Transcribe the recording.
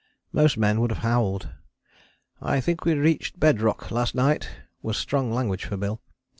Most men would have howled. "I think we reached bed rock last night," was strong language for Bill.